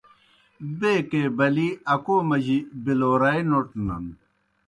بیکے بلِی اکو مجی بِلَورائے نوٹنَن۔